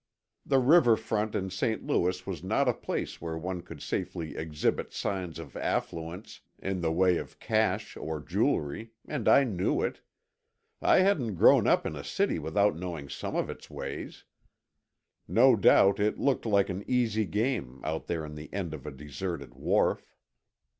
The river front in St. Louis was not a place where one could safely exhibit signs of affluence in the way of cash or jewelry—and I knew it. I hadn't grown up in a city without knowing some of its ways. No doubt it looked like an easy game, out there on the end of a deserted wharf.